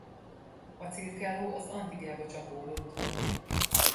A cirkáló az Antigaba csapódott.